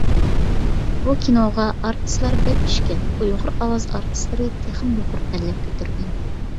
بۇ كىنوغا ئارتىسلار بەك چۈشكەن، ئۇيغۇر ئاۋاز ئارتىسلىرى تېخىمۇ يۇقىرى پەللىگە كۆتۈرگەن.